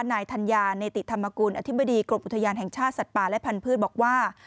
นายธัญญาเนติธรรมกุลอธิบดีกรมอุทยานแห่งชาติสัตว์ป่าและพันธุ์บอกว่า